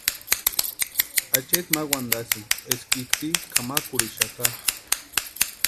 Acheeti ma wantasïnti eska itsï kʼamakurhixaka.